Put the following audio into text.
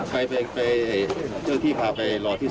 ไปเจ้าที่พาไปรอที่